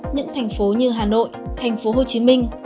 những thành phố như hà nội thành phố hồ chí minh